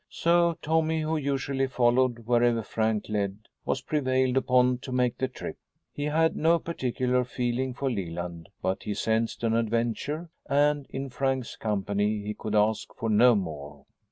So Tommy, who usually followed wherever Frank led, was prevailed upon to make the trip. He had no particular feeling for Leland, but he sensed an adventure, and, in Frank's company, he could ask for no more.